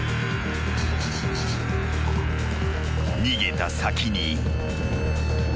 ［逃げた先に］